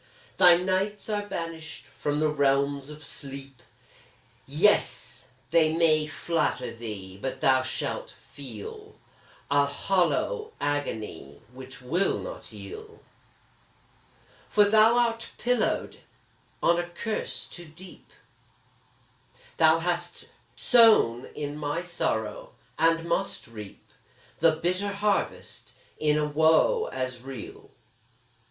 Thy nights are banished from the realms of sleep: Yes! they may flatter thee, but thou shall feel A hollow agony which will not heal, For thou art pillowed on a curse too deep; Thou hast sown in my sorrow, and must reap The bitter harvest in a woe as real!